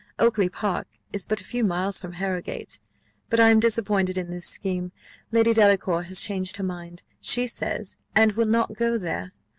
Oakly park is but a few miles from Harrowgate. But I am disappointed in this scheme; Lady Delacour has changed her mind, she says, and will not go there.